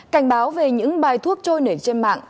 cảnh báo về những bài thuốc trôi nể trên mạng